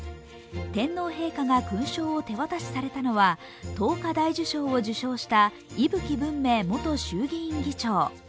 天皇陛下が手渡しされたのは桐花大綬章を綬修した伊吹文明元衆議院議長。